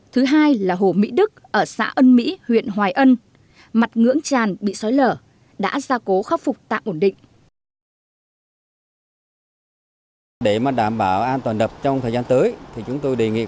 thứ hai là hồ mỹ đức ở xã ân mỹ huyện hoài ân mặt ngưỡng tràn bị xói lở đã ra cố khắc phục tạm ổn định